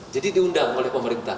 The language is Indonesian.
jadi diundang oleh pemerintah